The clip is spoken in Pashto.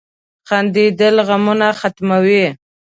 • خندېدل غمونه ختموي.